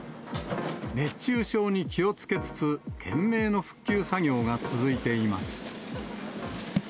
熱中症に気をつけつつ、懸命の復旧作業が続いています。